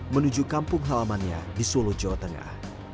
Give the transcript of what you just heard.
menuju kampung halamannya di solo jawa tengah